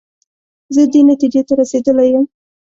زه دې نتیجې ته رسېدلی یم.